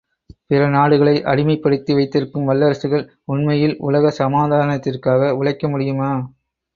பிறநாடுகளை அடிமைப்படுத்தி வைத்திருக்கும் வல்லரசுகள் உண்மையில் உலக சமாதானத்திற்காக உழைக்க முடியுமா?